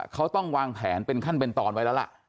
เขาต้องวางแผนเป็นขั้นเป็นตอนไว้แล้วล่ะ